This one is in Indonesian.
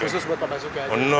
khusus buat para suka aja